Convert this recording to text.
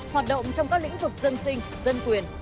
hoạt động trong các lĩnh vực dân sinh dân quyền